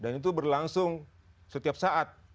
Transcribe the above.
dan itu berlangsung setiap saat